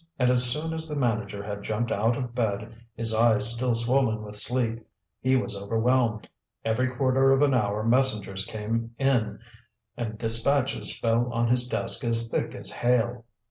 And as soon as the manager had jumped out of bed, his eyes still swollen with sleep, he was overwhelmed. Every quarter of an hour messengers came in, and dispatches fell on his desk as thick as hail.